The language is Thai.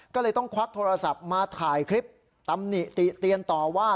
ก็เลยต้องควักโทรศัพท์มาถ่ายคลิปตำหนิติเตียนต่อว่า